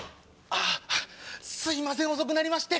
すいません遅くなりまして。